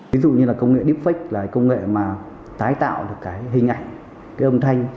ví dụ như là công nghệ deepfake là công nghệ mà tái tạo được cái hình ảnh cái âm thanh